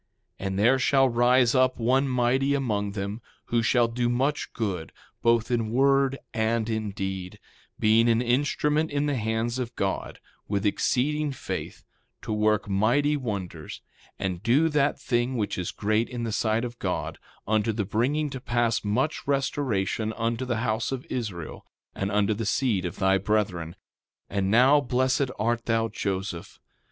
3:24 And there shall rise up one mighty among them, who shall do much good, both in word and in deed, being an instrument in the hands of God, with exceeding faith, to work mighty wonders, and do that thing which is great in the sight of God, unto the bringing to pass much restoration unto the house of Israel, and unto the seed of thy brethren. 3:25 And now, blessed art thou, Joseph.